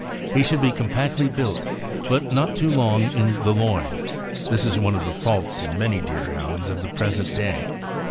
He should be compactly built — not too long in the loin; this is one of the faults in , many Deerhounds of the present day.